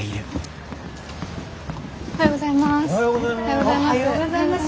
おはようございます。